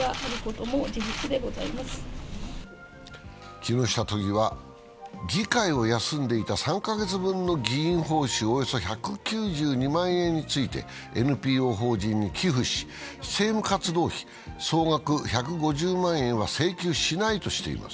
木下都議は、議会を休んでいた３カ月分の議員報酬、およそ１９２万円について、ＮＰＯ法人に寄付し政務活動費、総額１５０万円は請求しないとしています。